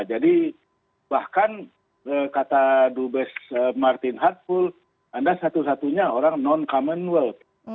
jadi bahkan kata dubes martin hartful anda satu satunya orang non commonwealth